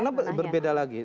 karena itu berbeda lagi